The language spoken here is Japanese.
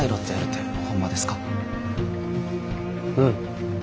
うん。